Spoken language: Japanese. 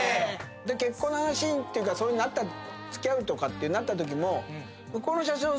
結婚の話っていうか付き合うとかってなったときも。